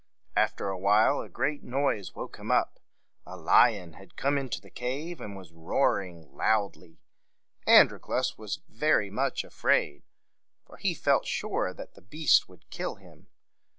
After a while a great noise woke him up. A lion had come into the cave, and was roaring loudly. Androclus was very much afraid, for he felt sure that the beast would kill him.